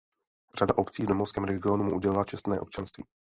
Řada obcí v domovském regionu mu udělila čestné občanství.